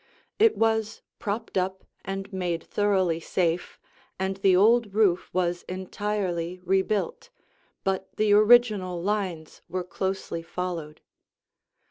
It was propped up and made thoroughly safe, and the old roof was entirely rebuilt, but the original lines were closely followed.